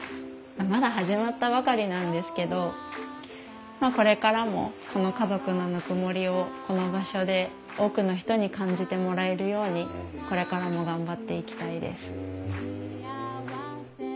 まだ始まったばかりなんですけどこれからもこの家族のぬくもりをこの場所で多くの人に感じてもらえるようにこれからも頑張っていきたいです。